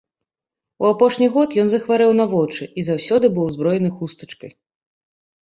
У апошні год ён захварэў на вочы і заўсёды быў узброены хустачкай.